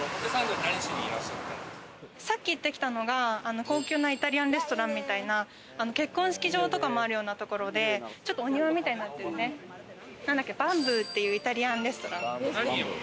さっき行ってきたのが高級なイタリアンレストランみたいな結婚式場とかもあるようなところで、お庭みたいになってる、なんだっけ、バンブーっていうイタリアンレストラン。